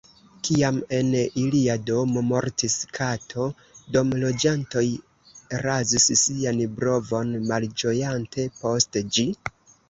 Kiam en ilia domo mortis kato, domloĝantoj razis sian brovon malĝojante post ĝi.